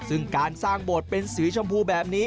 ซึ่งการสร้างโบสถ์เป็นสีชมพูแบบนี้